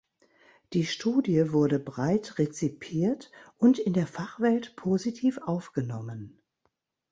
Die Studie wurde breit rezipiert und in der Fachwelt positiv aufgenommen.